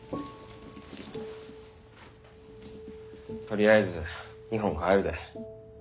とりあえず日本帰るで。